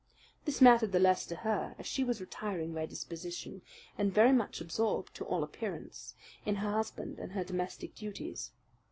This mattered the less to her, as she was retiring by disposition, and very much absorbed, to all appearance, in her husband and her domestic duties.